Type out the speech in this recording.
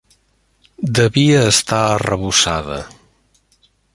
Devia estar arrebossada.